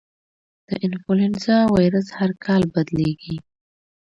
د انفلوېنزا وایرس هر کال بدلېږي.